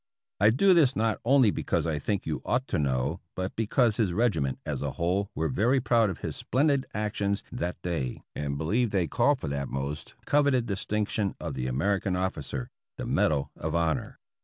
I do this not only because I think you ought to know, but because his regi ment as a whole were very proud of his splendid actions that day and believe they call for that most coveted dis tinction of the American officer, the Medal of Honor.